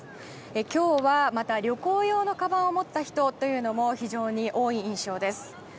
今日はまた、旅行用のかばんを持った人というのも非常に多い印象です。